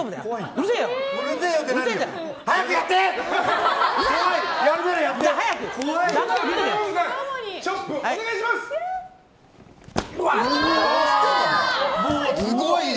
うるせえよ！